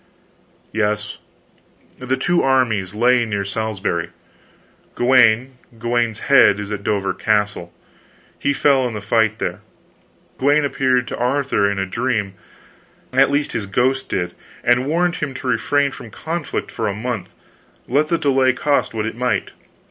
"Yes. The two armies lay near Salisbury. Gawaine Gawaine's head is at Dover Castle, he fell in the fight there Gawaine appeared to Arthur in a dream, at least his ghost did, and warned him to refrain from conflict for a month, let the delay cost what it might.